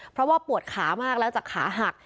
เพราะว่าปวดขามากแล้วจากขาหัก